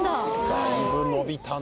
だいぶのびたね。